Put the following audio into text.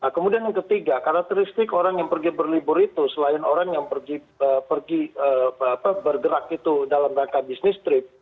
kemudian yang ketiga karakteristik orang yang pergi berlibur itu selain orang yang pergi bergerak itu dalam rangka bisnis trip